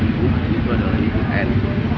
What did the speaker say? ibu adalah ibu n